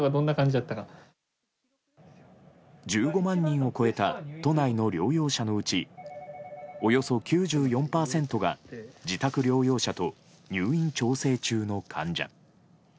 １５万人を超えた都内の療養者のうちおよそ９４％が自宅療養者と入院調整中の患者。